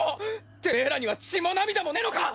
てめえらには血も涙もねえのか！